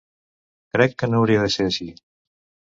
Crec que no hauria de ser així.